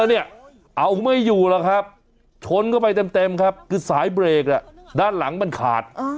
เนี่ยเอาไม่อยู่แล้วครับชนเข้าไปเต็มครับคือสายเบรกด้านหลังมันขาด